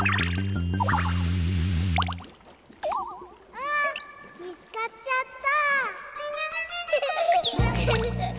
あみつかっちゃった。